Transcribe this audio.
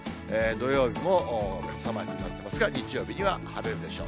土曜日も傘マークになってますが、日曜日には晴れるでしょう。